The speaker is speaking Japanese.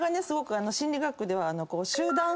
すごく心理学では。